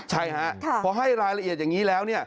ใช่ครับเพราะให้รายละเอียดอย่างนี้แล้ว